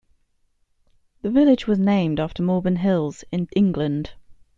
The village was named after Malvern Hills, in England.